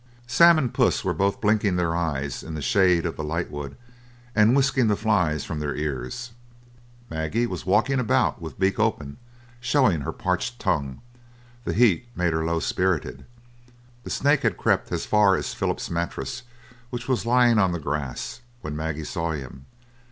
Sam and Puss were both blinking their eyes in the shade of the lightwood, and whisking the flies from their ears. Maggie was walking about with beak open, showing her parched tongue; the heat made her low spirited. The snake had crept as far as Philip's mattress, which was lying on the grass, when Maggie saw him.